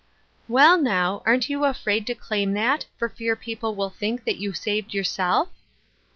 " Well, now, aren't you afraid to claim that, for fear people will think that you saved your self?"